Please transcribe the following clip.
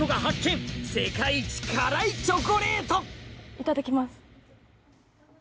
いただきます。